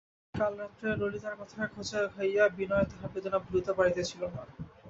কাল রাত্রে ললিতার কথার খোঁচা খাইয়া বিনয় তাহার বেদনা ভুলিতে পারিতেছিল না।